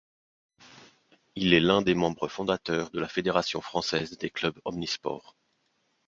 Il est l'un des membres fondateurs de la Fédération Française des Clubs Omnisports.